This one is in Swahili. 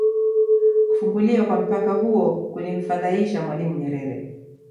Kufunguliwa kwa mpaka huo kulimfadhaisha Mwalimu Nyerere